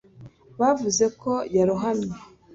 bavuze ko yarohamye